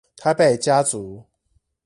台北家族